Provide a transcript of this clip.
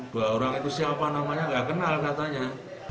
dua orang itu siapa namanya nggak kenal katanya